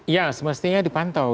ya semestinya dipantau